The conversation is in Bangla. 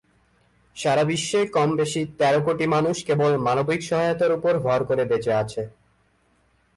সারা বিশ্বে কমবেশি তেরো কোটি মানুষ কেবল মানবিক সহায়তার উপর ভর করে বেঁচে আছে।